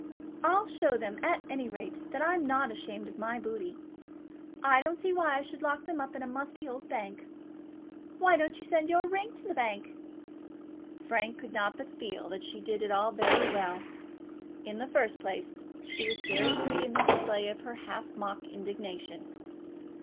I'll show them at any rate that I'm not ashamed of my booty. I don't see why I should lock them up in a musty old bank. Why don't you send your ring to the bank?" Frank could not but feel that she did it all very well. In the first place she was very pretty in the display of her half mock indignation.